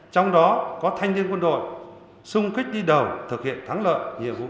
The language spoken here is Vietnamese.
trong đó có thanh niên quân đội sung kích đi đầu thực hiện thắng lợi nhiệm vụ bảo vệ tổ quốc